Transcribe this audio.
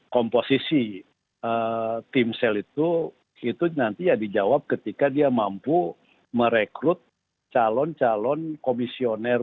komposisi tim sel itu itu nanti ya dijawab ketika dia mampu merekrut calon calon komisioner